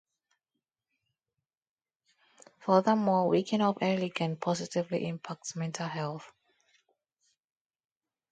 Furthermore, waking up early can positively impact mental health.